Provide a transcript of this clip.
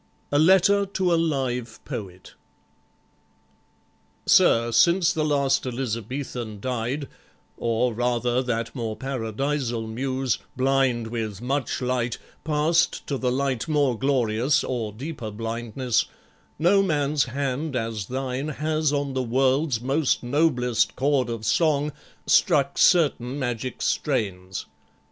A Letter to a Live Poet Sir, since the last Elizabethan died, Or, rather, that more Paradisal muse, Blind with much light, passed to the light more glorious Or deeper blindness, no man's hand, as thine, Has, on the world's most noblest chord of song, Struck certain magic strains.